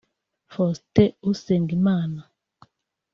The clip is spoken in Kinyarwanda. Faustin Usengimana